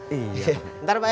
bentar pak ya